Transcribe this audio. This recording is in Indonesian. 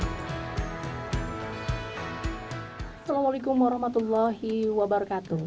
assalamualaikum warahmatullahi wabarakatuh